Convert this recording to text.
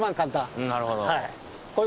なるほど。